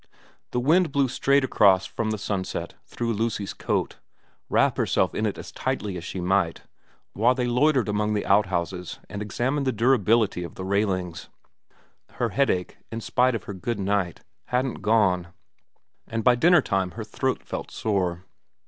The wind blew straight across from the sunset through Lucy's coat, wrap herself in it as tightly as she might, while they loitered among outhouses and examined the durability of the railings. Her headache, in spite of her good night, hadn't gone, and by dinner time her throat felt sore.